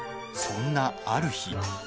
そんな、ある日。